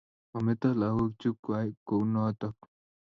Mametoi lagok chuk kwai kounotok.